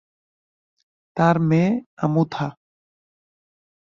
তার মেয়ে আমুথা।